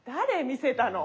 見せたの。